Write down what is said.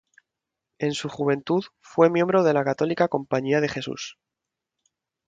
En su juventud, fue miembro de la católica Compañía de Jesús.